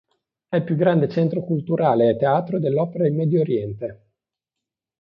È il più grande centro culturale e teatro dell'opera in Medio Oriente.